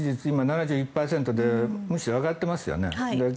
今、７１％でむしろ上がっていますよね。